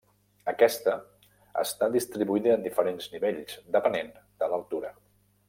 Aquesta està distribuïda en diferents nivells depenent de l'altura.